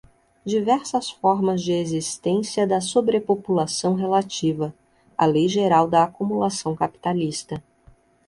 Diversas formas de existência da sobrepopulação relativa. A lei geral da acumulação capitalista